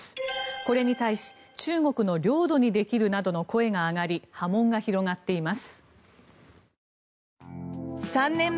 これに対し中国の領土にできるなどの声が上がり波紋が広がっています。